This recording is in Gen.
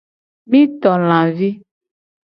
Mi to lavi.